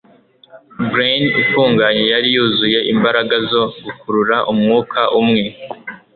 Glen ifunganye yari yuzuye imbaraga zo gukurura umwuka umwe